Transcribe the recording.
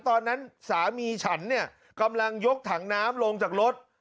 ตอนนั้นสามีฉันเนี่ยกำลังยกถังน้ำลงจากรถ